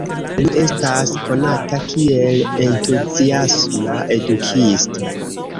Li estas konata kiel entuziasma edukisto.